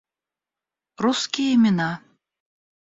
Русские имена